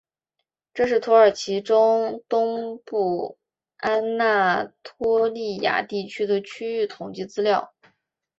这是土耳其中东部安那托利亚地区的区域统计资料。